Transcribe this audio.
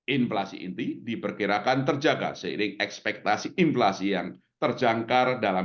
inflasi inti diperkirakan terjaga seiring ekspektasi inflasi yang terjangkar dalam